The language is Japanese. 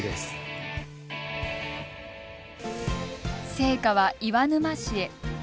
聖火は岩沼市へ。